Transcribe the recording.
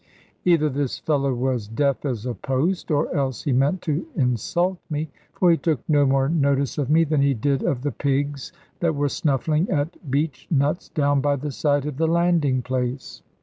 Either this fellow was deaf as a post, or else he meant to insult me, for he took no more notice of me than he did of the pigs that were snuffling at beech nuts down by the side of the landing place.